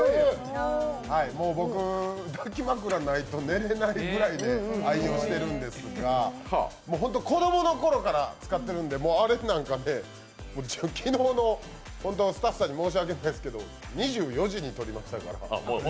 僕、抱き枕がないと寝れないぐらい愛用しているんですが、ホント子供のころから使ってるんで、あれなんか、昨日のスタッフさんに申し訳ないですけど２４時に撮りましたから。